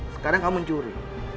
sekarang kamu curi